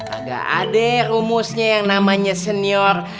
agak adek rumusnya yang namanya senior